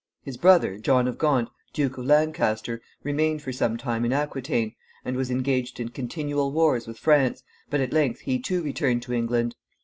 His brother, John of Gaunt, Duke of Lancaster, remained for some time in Aquitaine, and was engaged in continual wars with France, but at length he too returned to England.